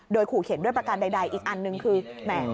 โดยขู่เข็นด้วยประการใดอีกอันหนึ่งคือแหม